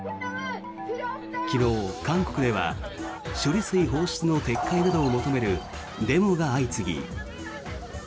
昨日、韓国では処理水放出の撤回などを求めるデモが相次ぎ。